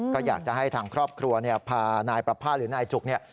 ก็อยากจะให้ทางครอบครัวพานายประภาษณหรือนายจุกเนี่ย